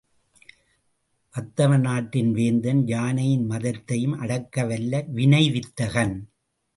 வத்தவநாட்டின் வேந்தன், யானையின் மதத்தையும் அடக்க வல்ல வினை வித்தகன்.